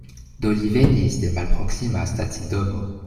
Do li venis de malproksima stacidomo.